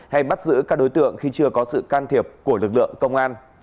hay bắt giữ các đối tượng khi chưa có sự can thiệp của lực lượng công an